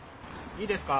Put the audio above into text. いいですか？